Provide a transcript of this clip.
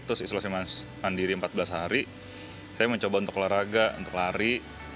terus isolasi mandiri empat belas hari saya mencoba untuk olahraga untuk lari